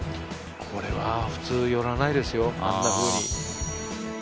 これは普通寄らないですよ、あんなふうに。